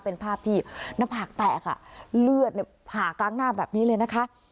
เป็นภาพที่หน้าผากแตกอ่ะเลือดผ่ากลางหน้าแบบนี้เลยนะคะ